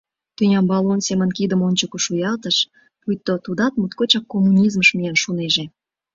Тӱнямбал он семынак кидым ончыко шуялтыш, пуйто тудат моткочак коммунизмыш миен шуынеже.